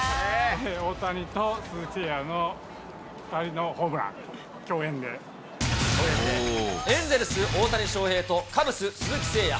大谷と鈴木誠也の２人のホームラン、エンゼルス、大谷翔平とカブス、鈴木誠也。